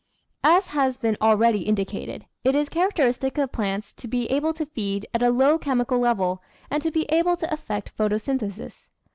As has been already indicated, it is characteristic of plants to be able to feed at a low chemical level and to be able to effect photosynthesis.